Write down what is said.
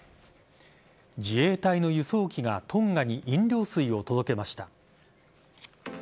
自衛隊の輸送機がトンガに飲料水を届けました。